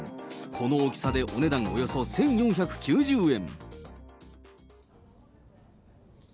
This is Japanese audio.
この大きさで、お値段およそ１４９０円。